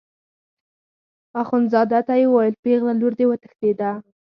اخندزاده ته یې وویل پېغله لور دې وتښتېده.